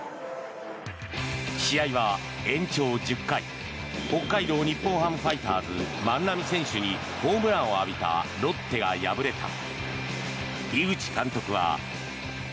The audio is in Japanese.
試合は延長１０回北海道日本ハムファイターズ万波選手にホームランを浴びたロッテが敗れた。